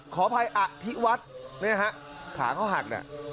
ขอภัยขากเขาหัก